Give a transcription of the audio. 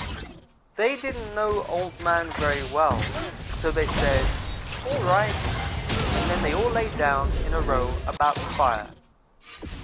"They didn't know Old man very well; so they said, 'all right,' and then they all laid down in a row about the fire.